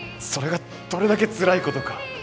それがどれだけつらいことか。